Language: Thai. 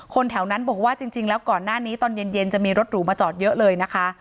แถวนั้นบอกว่าจริงแล้วก่อนหน้านี้ตอนเย็นจะมีรถหรูมาจอดเยอะเลยนะคะ